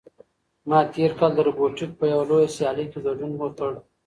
ما تېر کال د روبوټیک په یوه لویه سیالۍ کې ګډون وکړ.